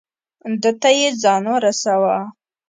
ده ته یې ځان رساو.